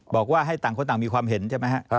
บอกว่าให้ต่างคนต่างมีความเห็นใช่ไหมฮะ